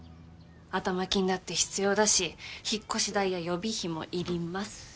頭金だって必要だし引っ越し代や予備費もいります。